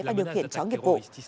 và điều khiển chó nghiệp vụ